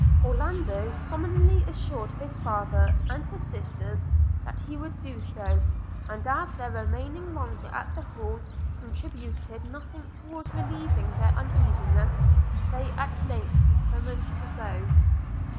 Orlando solemnly assured his father and his sisters that he would do so; and as their remaining longer at the Hall contributed nothing towards relieving their uneasiness, they at length determined to go.